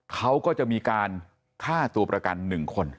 เขาก็จะมีการฆ่าตัวประกัน๑คน